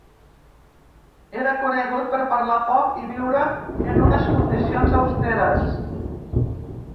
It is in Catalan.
Era conegut per parlar poc i viure en unes condicions austeres.